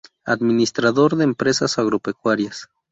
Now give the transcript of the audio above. Administrador de Empresas Agropecuarias.